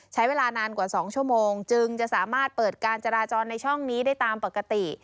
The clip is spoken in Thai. ใช้เวลานานกว่า๒ชั่วโมงจึงจะสามารถเปิดการจราจรในช่องนี้ได้ตามปกติ